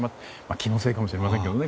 気のせいかもしれませんけどね。